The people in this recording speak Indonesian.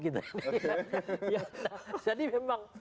gitu jadi memang